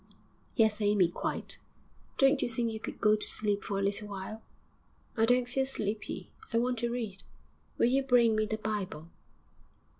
'Yes, Amy, quite!' 'Don't you think you could go to sleep for a little while?' 'I don't feel sleepy, I want to read; will you bring me the Bible?'